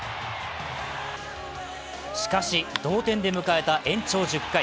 しかし、同点で迎えた延長１０回。